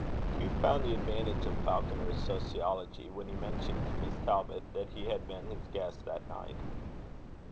Hugh found the advantage of Falconer's sociology when he mentioned to Miss Talbot that he had been his guest that night.